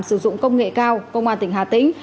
sử dụng công nghệ cao công an tỉnh hà tĩnh